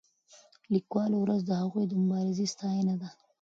د لیکوالو ورځ د هغوی د مبارزې ستاینه ده.